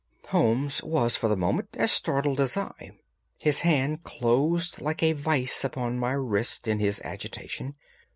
Holmes was for the moment as startled as I. His hand closed like a vice upon my wrist in his agitation.